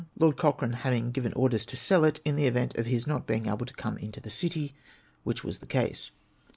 Lord Cochrane having given orders to sell it, in the event of his not lieing able to come into the city, which was the case.